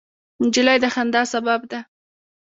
نجلۍ د خندا سبب ده.